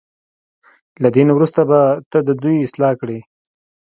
له دې نه وروسته به ته د دوی اصلاح کړې.